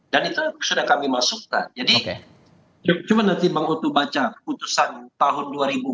dan sudah pernah diperhatikan dalam pemilihan tahun dua ribu tujuh belas